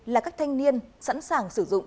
là các thanh niên sẵn sàng sử dụng